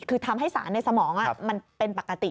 คือทำให้สารในสมองมันเป็นปกติ